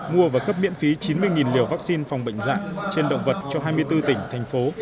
mua và cấp miễn phí chín mươi liều vaccine phòng bệnh dạy trên động vật cho hai mươi bốn tỉnh thành phố